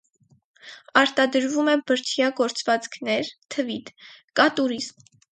Արտադրվում է բրդյա գործվածքներ (թվիդ), կա տուրիզմ։